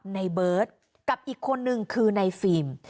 ในเบิร์ตกับอีกคนนึงคือในฟิล์ม